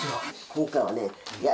今回はねいや